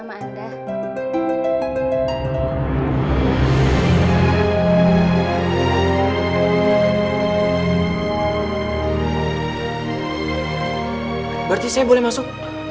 berarti saya boleh masuk